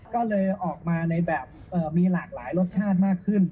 ก็เลยออกมาในแบบมีหลากหลายรสชาติมากขึ้น